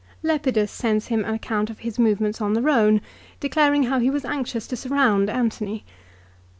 Lepidus sends him an account of his movements on the Rhone, declaring how he was anxious to surround Antony.